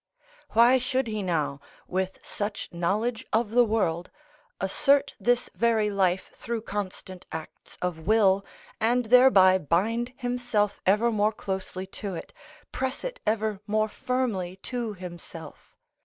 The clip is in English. Why should he now, with such knowledge of the world, assert this very life through constant acts of will, and thereby bind himself ever more closely to it, press it ever more firmly to himself?